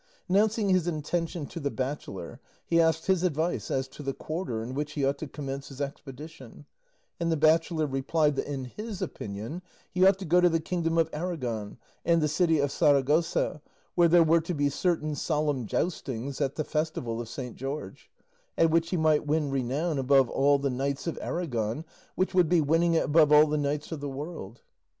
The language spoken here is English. Announcing his intention to the bachelor, he asked his advice as to the quarter in which he ought to commence his expedition, and the bachelor replied that in his opinion he ought to go to the kingdom of Aragon, and the city of Saragossa, where there were to be certain solemn joustings at the festival of St. George, at which he might win renown above all the knights of Aragon, which would be winning it above all the knights of the world.